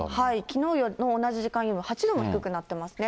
きのうの同じ時間より８度も低くなってますね。